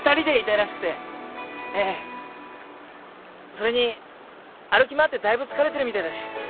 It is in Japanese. それに歩き回ってだいぶ疲れてるみたいだし。